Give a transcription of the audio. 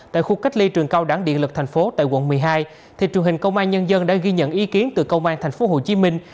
tại khu cách ly trường cao đẳng điện lực thành phố tại quận một mươi hai truyền hình công an nhân dân đã ghi nhận ý kiến từ công an thành phố hồ chí minh